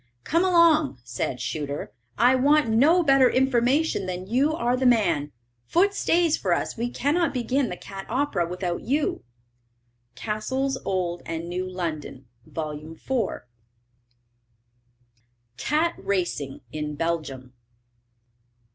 'Come along,' said Shuter; 'I want no better information that you are the man. Foote stays for us; we cannot begin the cat opera without you.'" CASSELL'S Old and New London, vol. iv. CAT RACING IN BELGIUM.